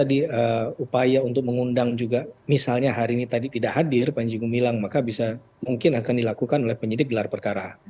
sudah terpenuhi nah kalau tadi upaya untuk mengundang juga misalnya hari ini tadi tidak hadir panji gumilang maka bisa mungkin akan dilakukan oleh penyidik dalam perkara